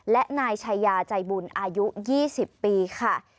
และนายชายาใจบุญอายุ๒๐ปีค่ะ